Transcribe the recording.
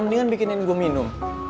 mendingan bikinin gue minum